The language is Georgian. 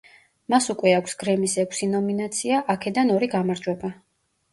მას უკვე აქვს გრემის ექვსი ნომინაცია, აქედან ორი გამარჯვება.